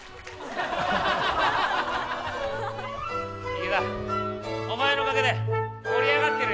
池田お前のおかげで盛り上がってるよ。